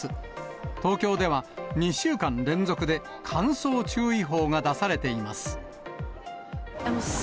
東京では２週間連続で乾燥注意報が出されています。